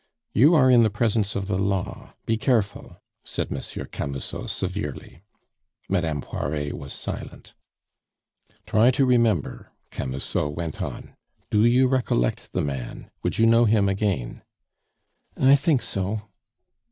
"You are in the presence of the Law; be careful," said Monsieur Camusot severely. Madame Poiret was silent. "Try to remember," Camusot went on. "Do you recollect the man? Would you know him again?" "I think so."